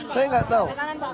saya nggak tahu